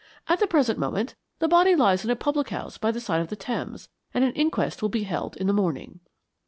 At the present moment the body lies in a public house by the side of the Thames, and an inquest will be held in the morning.